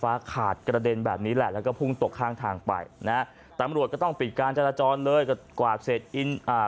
ขาดกระเด็นแบบนี้แหละแล้วก็พุ่งตกข้างทางไปนะฮะตำรวจก็ต้องปิดการจราจรเลยก็กวาดเสร็จอินอ่า